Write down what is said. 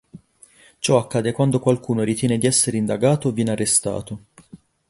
Ciò accade quando qualcuno ritiene di essere indagato o viene arrestato.